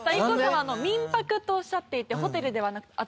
ＩＫＫＯさんは民泊とおっしゃっていてホテルではなく。